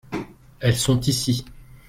elles sont ici.